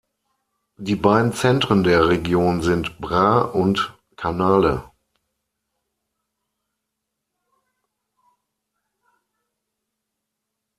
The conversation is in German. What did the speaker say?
Die beiden Zentren der Region sind Bra und Canale.